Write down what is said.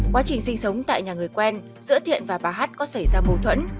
quá trình sinh sống tại nhà người quen giữa thiện và bà hát có xảy ra mâu thuẫn